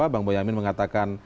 bang boyamin mengatakan